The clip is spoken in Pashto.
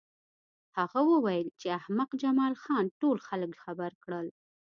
هغه وویل چې احمق جمال خان ټول خلک خبر کړل